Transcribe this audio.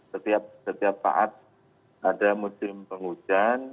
setiap saat ada musim penghujan